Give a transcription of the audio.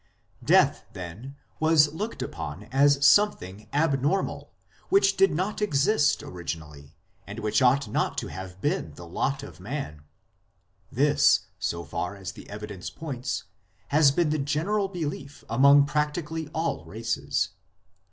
8 Death, then, was looked upon as something abnormal, which did not exist originally, and which ought not to have been the lot of man. This, so far as the evidence points, has been the general belief among practically all races.